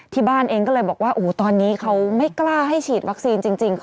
ที่บ้านเองก็เลยบอกว่าโอ้โหตอนนี้เขาไม่กล้าให้ฉีดวัคซีนจริง